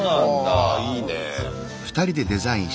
はいいね。